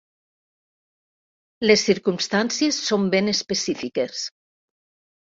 Les circumstàncies són ben específiques.